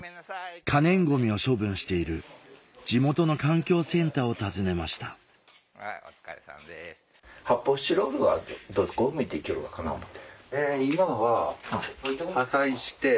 可燃ゴミを処分している地元の環境センターを訪ねましたどこ向いて行きよるかな思うて。